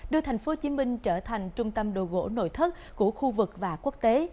đưa thành phố hồ chí minh trở thành trung tâm đồ gỗ nội thất của khu vực và quốc tế